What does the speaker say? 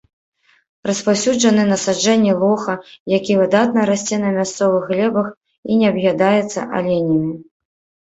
Распаўсюджаны насаджэнні лоха, які выдатна расце на мясцовых глебах і не аб'ядаецца аленямі.